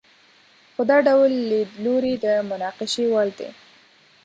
خو دا ډول لیدلوری د مناقشې وړ دی.